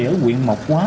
ở quyện mộc quá